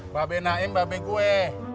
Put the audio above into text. mbak be naim mbak be gue